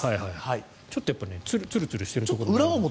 ちょっとツルツルしてるところが。